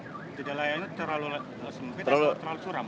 tidak layaknya terlalu curam